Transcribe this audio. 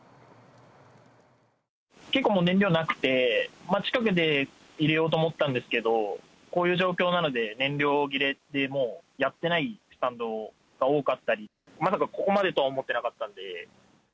結構、もう燃料なくて、近くで入れようと思ったんですけど、こういう状況なので、燃料切れで、もうやってないスタンドが多かったり、まさかここまでとは思ってなかったんで。